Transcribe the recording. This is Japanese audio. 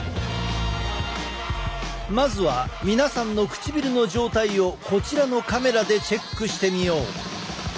まずは皆さんの唇の状態をこちらのカメラでチェックしてみよう。